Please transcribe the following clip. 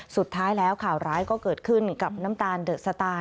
สุดท้ายแล้วข่าวร้ายก็เกิดขึ้นกับน้ำตาลเดอะสตาร์